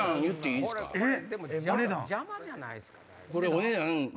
でも邪魔じゃないですか？